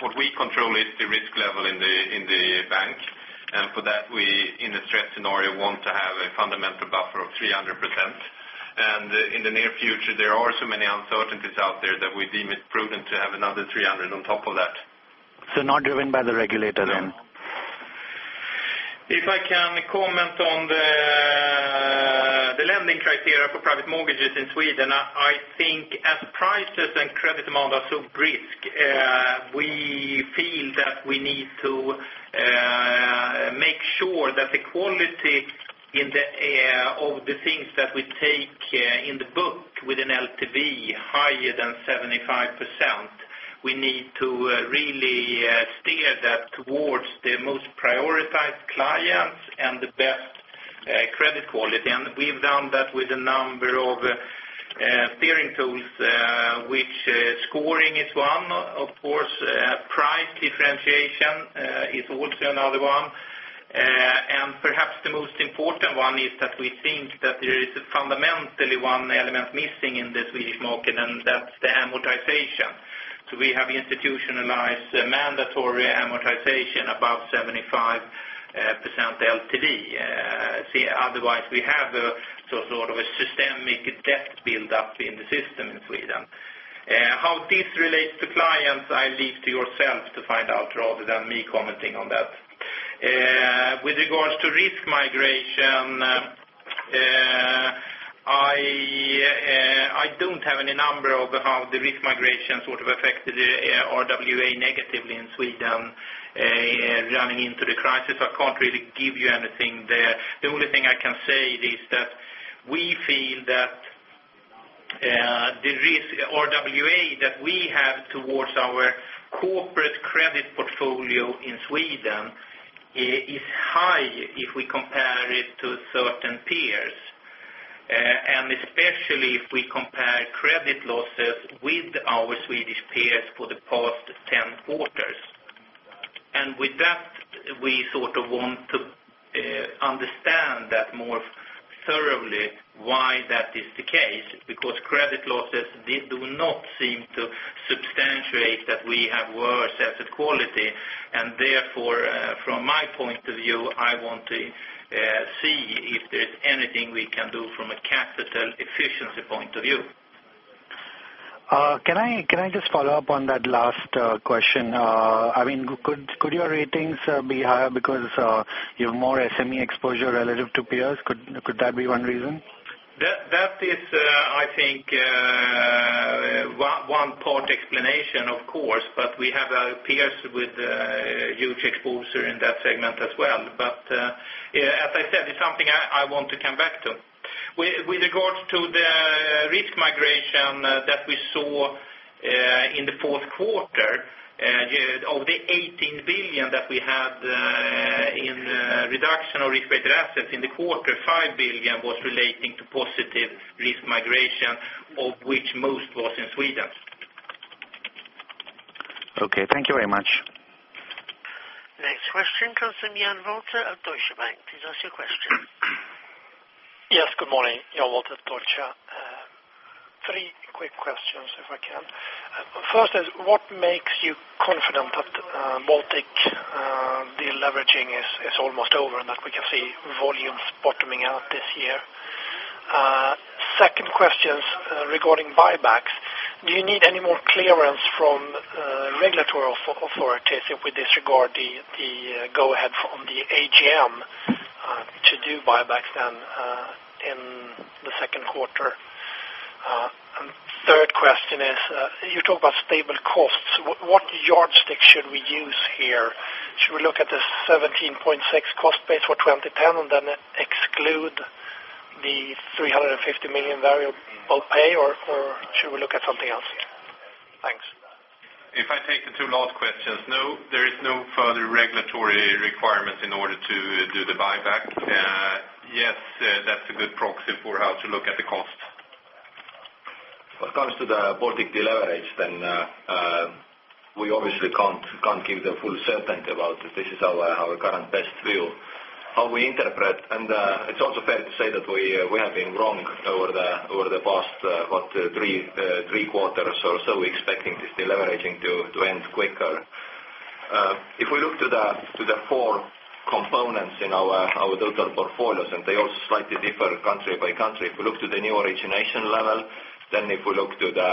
what we control is the risk level in the, in the bank, and for that, we, in the stress scenario, want to have a fundamental buffer of 300%. And in the near future, there are so many uncertainties out there that we deem it prudent to have another 300 on top of that. So not driven by the regulator then? No. If I can comment on the, the lending criteria for private mortgages in Sweden, I, I think as prices and credit amount are so brisk, we feel that we need to make sure that the quality in the, of the things that we take in the book with an LTV higher than 75%, we need to really steer that towards the most prioritized clients and the best credit quality. And we've done that with a number of steering tools, which scoring is one, of course, price differentiation is also another one. And perhaps the most important one is that we think that there is fundamentally one element missing in the Swedish market, and that's the amortization. So we have institutionalized mandatory amortization above 75% LTV. See, otherwise we have a so sort of a systemic debt build-up in the system in Sweden. How this relates to clients, I leave to yourself to find out rather than me commenting on that. With regards to risk migration, I don't have any number of how the risk migration sort of affected the RWA negatively in Sweden, running into the crisis. I can't really give you anything there. The only thing I can say is that we feel that, the risk RWA that we have towards our corporate credit portfolio in Sweden, is high if we compare it to certain peers. And especially if we compare credit losses with our Swedish peers for the past 10 quarters. With that, we sort of want to understand that more thoroughly, why that is the case, because credit losses, they do not seem to substantiate that we have worse asset quality. Therefore, from my point of view, I want to see if there's anything we can do from a capital efficiency point of view. Can I just follow up on that last question? I mean, could your ratings be higher because you have more SME exposure relative to peers? Could that be one reason? That is, I think, one part explanation, of course, but we have peers with huge exposure in that segment as well. But, as I said, it's something I want to come back to. With regards to the risk migration that we saw in the fourth quarter, of the 18 billion that we had in reduction of risk-weighted assets in the quarter, 5 billion was relating to positive risk migration, of which most was in Sweden. Okay, thank you very much. Next question comes from Jan Walter of Deutsche Bank. Please ask your question. Yes, good morning. Jan Walter, Deutsche Bank. Three quick questions, if I can. First is, what makes you confident that Baltic deleveraging is almost over, and that we can see volumes bottoming out this year? Second question is regarding buybacks. Do you need any more clearance from regulatory authorities if we disregard the go-ahead from the AGM to do buybacks then in the second quarter? And third question is, you talk about stable costs. What yardstick should we use here? Should we look at the 17.6 cost base for 2010, and then exclude the 350 million variable pay, or should we look at something else? Thanks. If I take the two last questions, no, there is no further regulatory requirements in order to do the buyback. Yes, that's a good proxy for how to look at the cost. When it comes to the Baltic deleverage, then, we obviously can't give the full certainty about it. This is our current best view. How we interpret, and it's also fair to say that we have been wrong over the past about three quarters or so, expecting this deleveraging to end quicker. If we look to the four components in our daughter portfolios, and they also slightly differ country-by-country. If we look to the new origination level, then if we look to the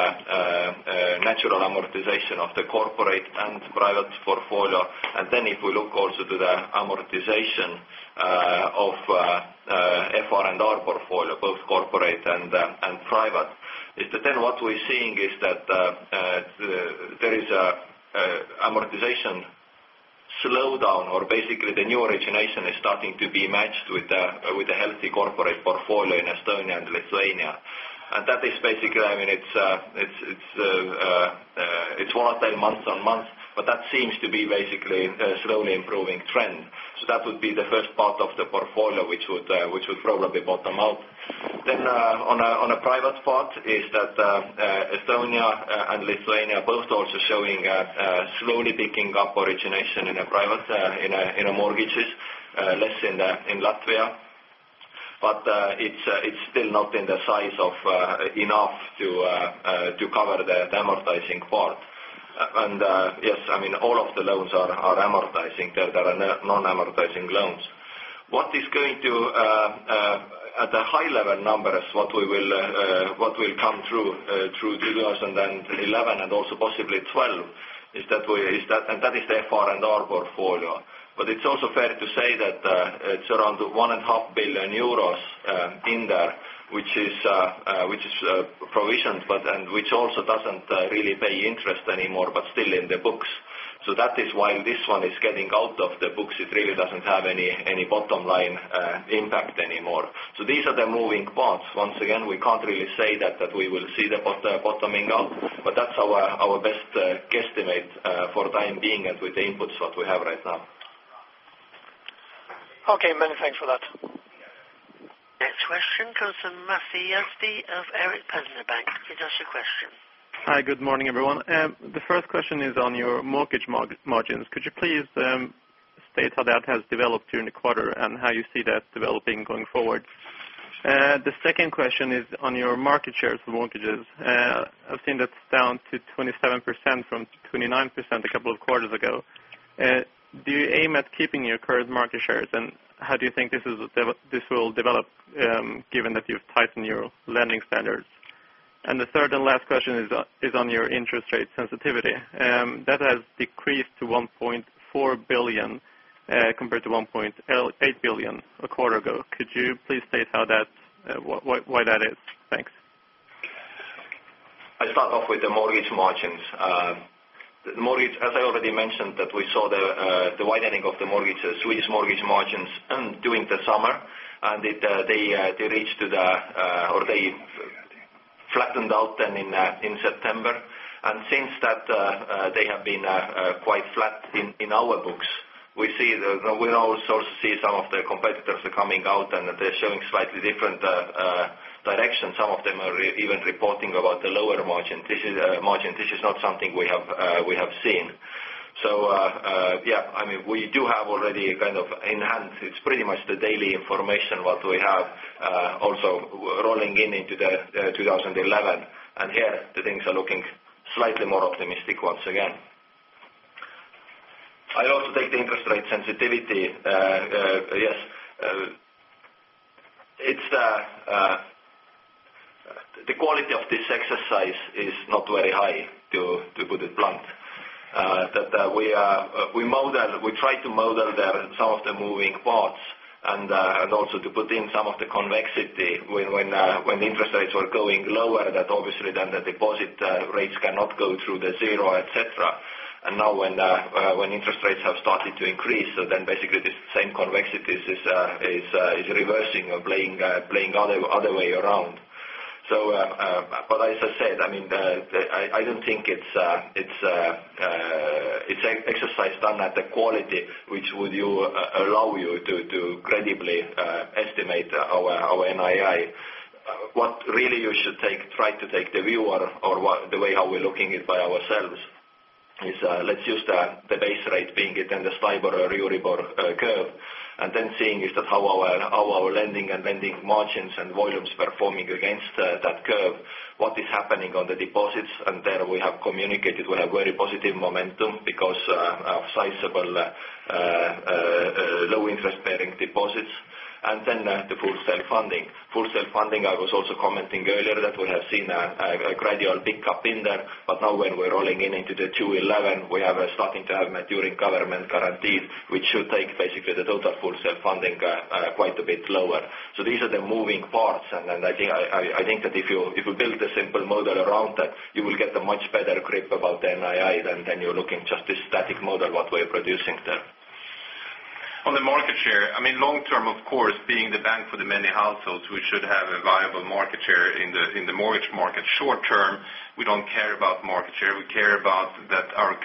natural amortization of the corporate and private portfolio, and then if we look also to the amortization of FR&R portfolio, both corporate and private. Is that then what we're seeing is that, there is, amortization slowdown, or basically, the new origination is starting to be matched with the, with the healthy corporate portfolio in Estonia and Lithuania. And that is basically, I mean, it's one of the month-on-month, but that seems to be basically a slowly improving trend. So that would be the first part of the portfolio, which would probably bottom out. Then, on a private part, is that Estonia and Lithuania both also showing slowly picking up origination in a private, in a, in a mortgages, less in Latvia. But, it's still not in the size of enough to cover the amortizing part. Yes, I mean, all of the loans are amortizing. There are no non-amortizing loans. What is going to, at a high-level numbers, what will come through 2011 and also possibly 2012, is that, and that is the FR&R portfolio. But it's also fair to say that, it's around 1.5 billion euros in there, which is provisioned, but, and which also doesn't really pay interest anymore, but still in the books. So that is why this one is getting out of the books. It really doesn't have any bottom line impact anymore. So these are the moving parts. Once again, we can't really say that we will see the bottoming out, but that's our best guesstimate for the time being and with the inputs what we have right now. ... Okay, many thanks for that. Next question comes from Masih Yazdi of Erik Penser Bank. Could you ask your question? Hi, good morning, everyone. The first question is on your mortgage margins. Could you please state how that has developed during the quarter and how you see that developing going forward? The second question is on your market shares for mortgages. I've seen that's down to 27% from 29% a couple of quarters ago. Do you aim at keeping your current market shares, and how do you think this will develop, given that you've tightened your lending standards? And the third and last question is on your interest rate sensitivity. That has decreased to 1.4 billion, compared to 1.8 billion a quarter ago. Could you please state why that is? Thanks. I'll start off with the mortgage margins. The mortgage, as I already mentioned, that we saw the widening of the mortgages, Swedish mortgage margins, during the summer, and they reached to the, or they flattened out then in September. And since that, they have been quite flat in our books. We see, we also see some of the competitors are coming out, and they're showing slightly different direction. Some of them are even reporting about the lower margin. This is margin. This is not something we have, we have seen. So, yeah, I mean, we do have already kind of enhanced. It's pretty much the daily information what we have, also rolling in into the 2011, and here the things are looking slightly more optimistic once again. I'll also take the interest rate sensitivity. Yes, it's the quality of this exercise is not very high, to put it blunt. That we model, we try to model some of the moving parts, and also to put in some of the convexity when interest rates are going lower, that obviously then the deposit rates cannot go through the zero, et cetera. And now when interest rates have started to increase, so then basically this same convexity is reversing or playing other way around. So, but as I said, I mean, the I don't think it's it's exercise done at the quality, which would allow you to credibly estimate our NII. What really you should take, try to take the view or what, the way how we're looking it by ourselves is, let's use the base rate being it in the STIBOR or EURIBOR curve, and then seeing is that how our lending and lending margins and volumes performing against that curve. What is happening on the deposits? And there we have communicated we have very positive momentum because sizable low-interest-bearing deposits, and then the full self-funding. Full self-funding, I was also commenting earlier, that we have seen a gradual pick-up in there. But now when we're rolling into 2011, we are starting to have maturing government guarantees, which should take basically the total full self-funding quite a bit lower. So these are the moving parts, and then I think that if you build a simple model around that, you will get a much better grip about the NII than you're looking just this static model, what we're producing there. On the market share, I mean, long term, of course, being the bank for the many households, we should have a viable market share in the, in the mortgage market. Short term, we don't care about market share. We care about that our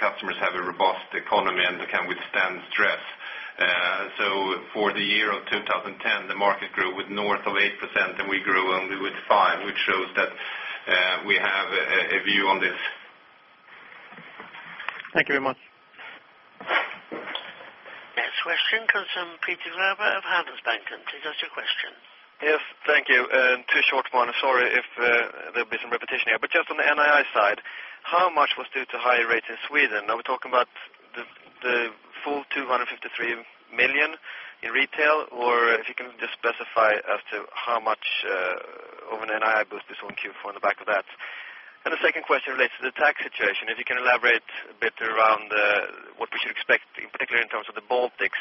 customers have a robust economy and can withstand stress. So for the year of 2010, the market grew with north of 8%, and we grew only with 5%, which shows that we have a view on this. Thank you very much. Next question comes from Peter Wallin of Handelsbanken. Please ask your question. Yes, thank you. Two short one. Sorry if, there'll be some repetition here. But just on the NII side, how much was due to higher rates in Sweden? Are we talking about the, the full 253 million in retail? Or if you can just specify as to how much, of an NII boost is on Q4 on the back of that. And the second question relates to the tax situation. If you can elaborate a bit around, what we should expect, in particular in terms of the Baltics,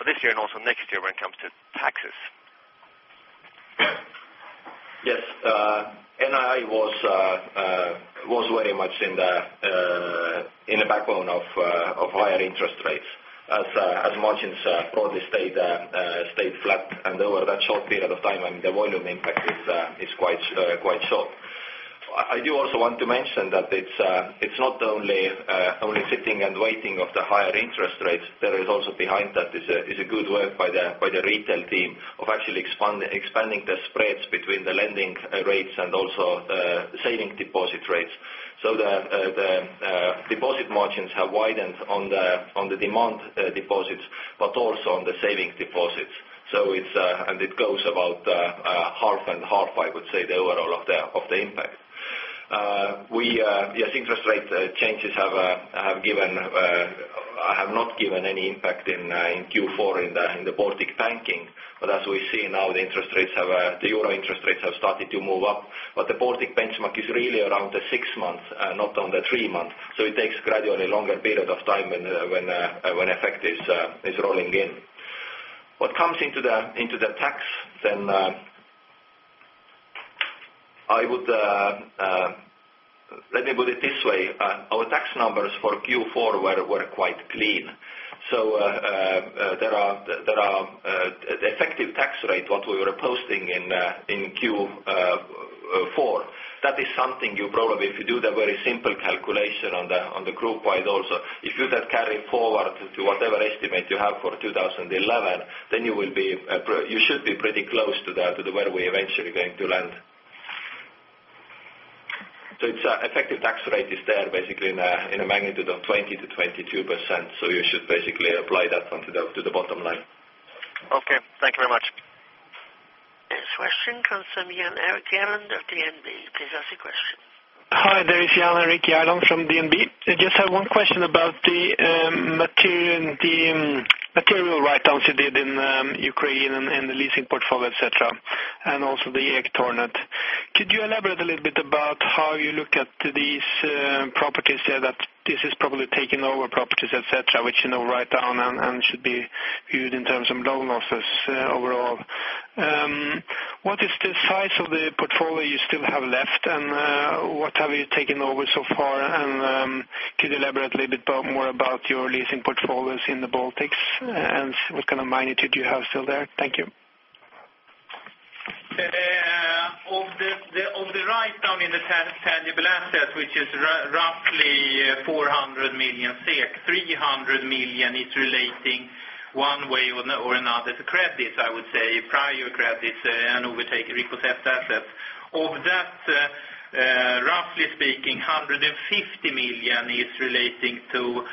for this year and also next year when it comes to taxes. Yes, NII was very much in the backbone of higher interest rates. As margins broadly stayed flat, and over that short period of time, and the volume impact is quite sure. I do also want to mention that it's not only sitting and waiting of the higher interest rates. There is also behind that is a good work by the retail team of actually expanding the spreads between the lending rates and also saving deposit rates. So the deposit margins have widened on the demand deposits, but also on the savings deposits. So it's and it goes about half and half, I would say, the overall of the impact. Yes, interest rate changes have not given any impact in Q4 in the Baltic banking. But as we see now, the interest rates, the Euro interest rates have started to move up. But the Baltic benchmark is really around the six-month, not on the three-month, so it takes gradually longer period of time when effect is rolling in. What comes into the tax, then I would let me put it this way. Our tax numbers for Q4 were quite clean. So, the effective tax rate what we were posting in Q4. That is something you probably, if you do the very simple calculation on the group-wide also, if you just carry forward to whatever estimate you have for 2011, then you should be pretty close to that, to where we're eventually going to land. So, the effective tax rate is there basically in a magnitude of 20%-22%, so you should basically apply that one to the bottom line. Okay, thank you very much. This question comes from Jan Erik Gjerland of DNB. Please ask your question. Hi, this is Jan Erik Gjerland from DNB. I just have one question about the material, the material write-downs you did in Ukraine and the leasing portfolio, etc, and also the Ektornet. Could you elaborate a little bit about how you look at these properties there, that this is probably taking over properties, et cetera, which, you know, write down and should be viewed in terms of loan losses overall. What is the size of the portfolio you still have left, and what have you taken over so far? And could you elaborate a little bit more about your leasing portfolios in the Baltics, and what kind of magnitude you have still there? Thank you. Of the, on the write-down in the tangible assets, which is roughly 400 million SEK, 300 million is relating one way or another to credits, I would say, prior credits and overtaken repossessed assets. Of that, roughly speaking, 150 million is relating to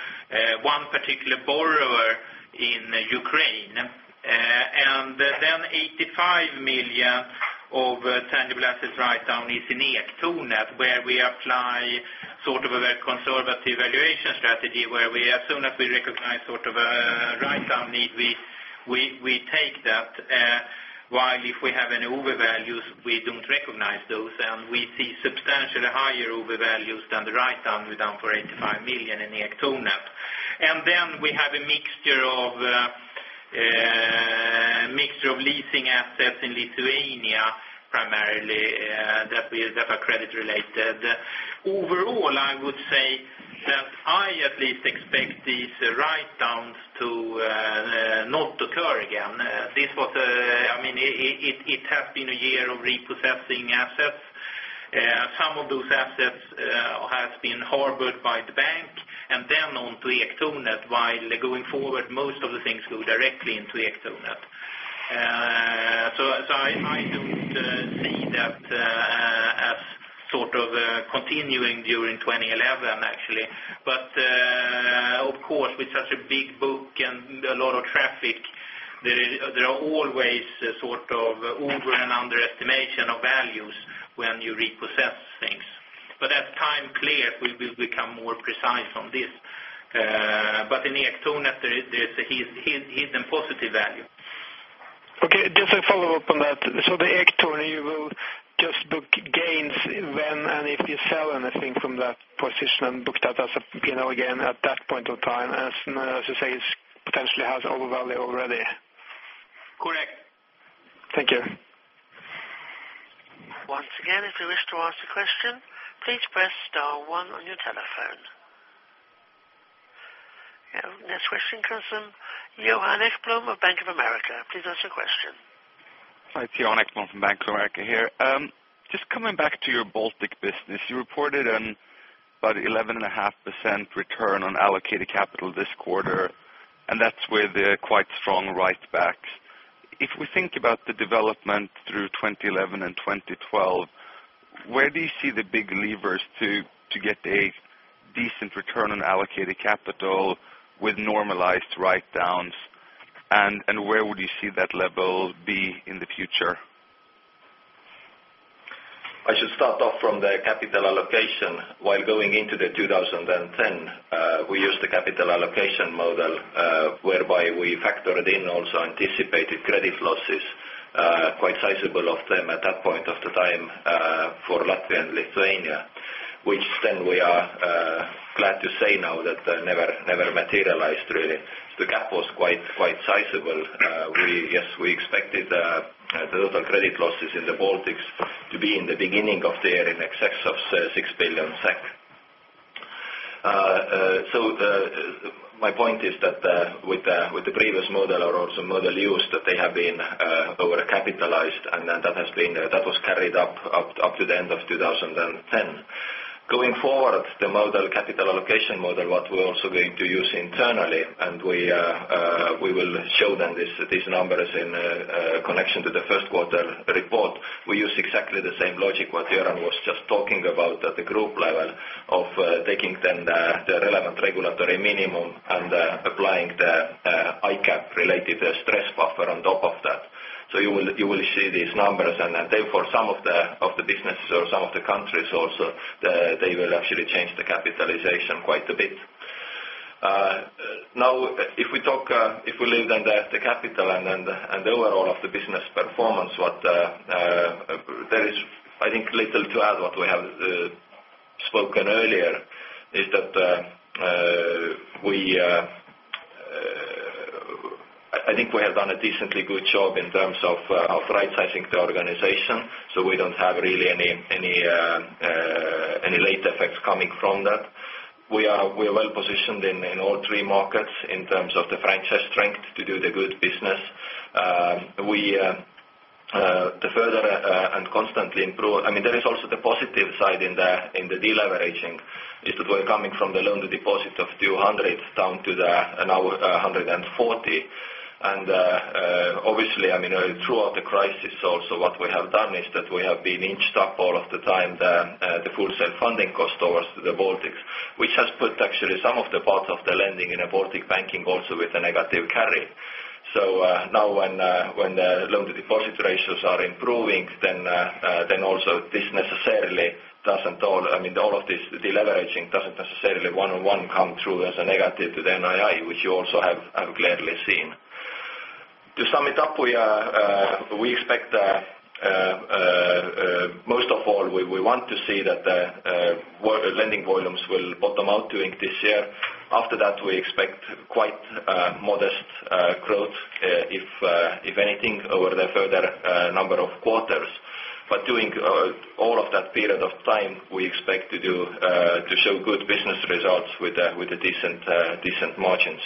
one particular borrower in Ukraine. And then 85 million of tangible assets write-down is in Ektornet, where we apply sort of a very conservative valuation strategy, where we as soon as we recognize sort of a write-down need, we take that. While if we have any overvalues, we don't recognize those, and we see substantially higher overvalues than the write-down we've done for 85 million in Ektornet. And then we have a mixture of leasing assets in Lithuania, primarily, that are credit related. Overall, I would say that I at least expect these write-downs to not occur again. This was a—I mean, it has been a year of repossessing assets. Some of those assets have been harbored by the bank, and then on to Ektornet, while going forward, most of the things go directly into Ektornet. So I don't see that as sort of continuing during 2011, actually. But of course, with such a big book and a lot of traffic, there are always sort of over and underestimation of values when you repossess things. But as time clears, we will become more precise on this. But in Ektornet, there is a positive value. Okay, just a follow-up on that. So the Ektornet, you will just book gains when and if you sell anything from that position and book that as a, you know, again, at that point in time, as, as you say, it potentially has overvalue already. Correct. Thank you. Once again, if you wish to ask a question, please press star one on your telephone. Yeah, next question comes from Johan Ekblom of Bank of America. Please ask your question. Hi, it's Johan Ekblom from Bank of America here. Just coming back to your Baltic business, you reported on about 11.5% return on allocated capital this quarter, and that's where the quite strong write-backs. If we think about the development through 2011 and 2012, where do you see the big levers to get a decent return on allocated capital with normalized write-downs, and where would you see that level be in the future? I should start off from the capital allocation. While going into 2010, we used a capital allocation model, whereby we factored in also anticipated credit losses, quite sizable of them at that point of the time, for Latvia and Lithuania, which then we are glad to say now that never materialized, really. The gap was quite sizable. We expected the total credit losses in the Baltics to be in the beginning of the year in excess of 6 billion SEK. So... My point is that, with the previous model or also model used, that they have been overcapitalized, and then that has been, that was carried up to the end of 2010. Going forward, the model, capital allocation model, what we're also going to use internally, and we, we will show them this, these numbers in, connection to the first quarter report. We use exactly the same logic, what Göran was just talking about at the group level, of, taking then the, the relevant regulatory minimum and, applying the, ICAAP related stress buffer on top of that. So you will, you will see these numbers, and then therefore, some of the, of the businesses or some of the countries also, the- they will actually change the capitalization quite a bit. Now, if we talk, if we leave the capital and overall business performance, what there is, I think, little to add what we have spoken earlier, is that we, I think we have done a decently good job in terms of right sizing the organization, so we don't have really any effects coming from that. We are well positioned in all three markets in terms of the franchise strength to do the good business. To further and constantly improve, I mean, there is also the positive side in the deleveraging, is that we're coming from the loan-to-deposit of 200 down to 140. Obviously, I mean, throughout the crisis also, what we have done is that we have been inched up all of the time, the full self-funding cost towards the Baltics. Which has put actually some of the parts of the lending in a Baltic banking also with a negative carry. So, now when the loan to deposit ratios are improving, then also this necessarily doesn't all- I mean, all of this deleveraging doesn't necessarily one-on-one come through as a negative to the NII, which you also have clearly seen. To sum it up, we expect most of all, we want to see that the world lending volumes will bottom out during this year. After that, we expect quite modest growth, if anything, over the further number of quarters. But during all of that period of time, we expect to show good business results with decent margins.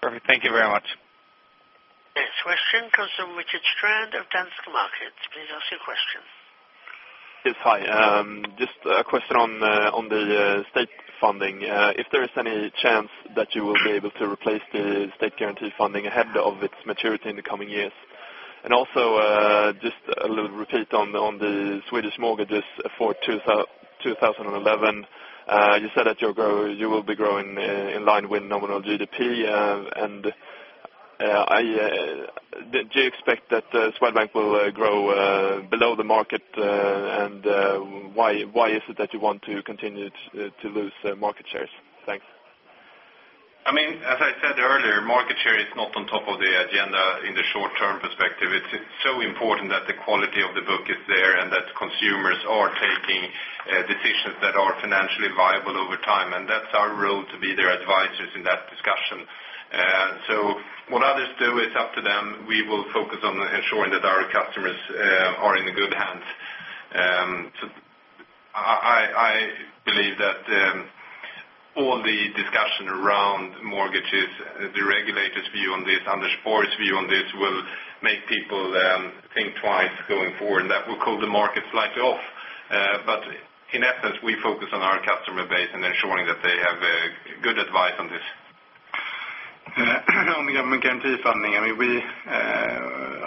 Perfect. Thank you very much. Next question comes from Rickard Strand of Danske Markets. Please ask your question. Yes, hi. Just a question on the state funding. If there is any chance that you will be able to replace the state guarantee funding ahead of its maturity in the coming years? And also, just a little repeat on the Swedish mortgages for 2011. You said that you'll grow, you will be growing in line with nominal GDP, and do you expect that Swedbank will grow below the market, and why is it that you want to continue to lose market shares? Thanks. I mean, as I said earlier, market share is not on top of the agenda in the short term perspective. It's so important that the quality of the book is there, and that consumers are taking decisions that are financially viable over time. And that's our role, to be their advisors in that discussion. So what others do, it's up to them. We will focus on ensuring that our customers are in good hands. So I believe that all the discussion around mortgages, the regulators' view on this, and the sports view on this, will make people think twice going forward, and that will cool the market slightly off. But in essence, we focus on our customer base and ensuring that they have good advice on this. On the government guarantee funding, I mean, we,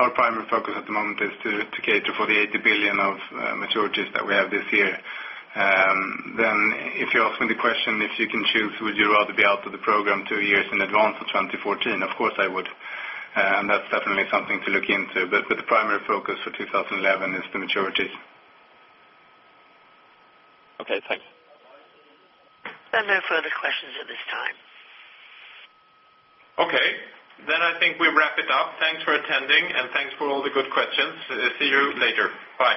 our primary focus at the moment is to cater for the 80 billion of maturities that we have this year. Then, if you're asking the question, if you can choose, would you rather be out of the program two years in advance of 2014? Of course I would. And that's definitely something to look into. But the primary focus for 2011 is the maturities. Okay, thanks. There are no further questions at this time. Okay. Then I think we wrap it up. Thanks for attending, and thanks for all the good questions. See you later. Bye.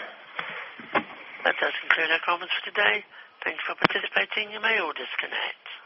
That does conclude our conference for today. Thank you for participating. You may all disconnect.